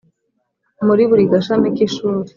muri buri gashami k ishuri.